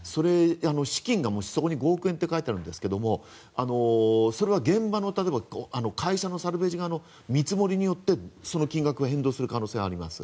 資金がもし、そこに５億円と書いてあるんですがそれは現場のそれは現場のサルベージ側の見積もりによってその金額が変動する可能性があります。